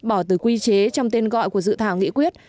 bỏ từ quy chế trong tên gọi của dự thảo nghị quyết